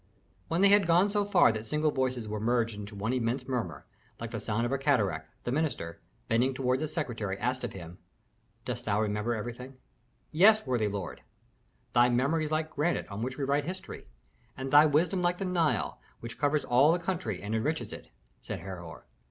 When they had gone so far that single voices were merged into one immense murmur, like the sound of a cataract, the minister, bending toward the secretary, asked of him, "Dost thou remember everything?" "Yes, worthy lord." "Thy memory is like granite on which we write history, and thy wisdom like the Nile, which covers all the country and enriches it," said Herhor.